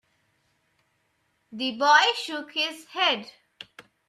The boy shook his head.